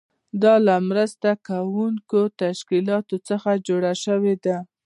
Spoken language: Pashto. دا له مرسته کوونکو تشکیلاتو څخه جوړه شوې ده.